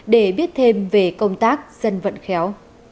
để biết thêm về công tác dân vận khéo